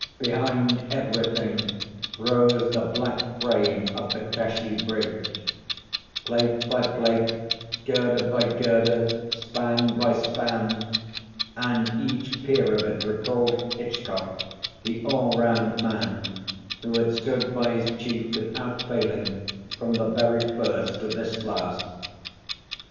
Behind everything rose the black frame of the Kashi Bridge plate by plate, girder by girder, span by span and each pier of it recalled Hitchcock, the all round man, who had stood by his chief without failing from the very first to this last.